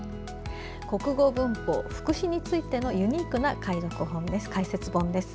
国語文法、副詞についてのユニークな解説本です。